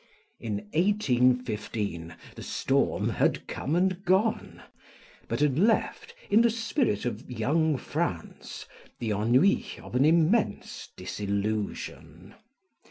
In 1815 the storm had come and gone, but had left, in the spirit of "young France," the ennui of an immense disillusion.